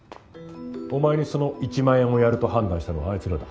お前にその１万円をやると判断したのはあいつらだ。